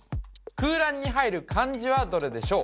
空欄に入る漢字はどれでしょう？